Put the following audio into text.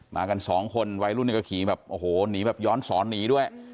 มากัน๒คนวัยรุ่นก็ขี่แบบโอ้โหหย้อนสอนนีด้วย